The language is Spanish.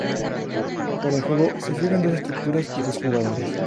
Para el juego se fijan dos estructuras, y dos jugadores.